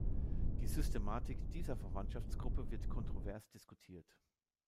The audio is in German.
Die Systematik dieser Verwandtschaftsgruppe wird kontrovers diskutiert.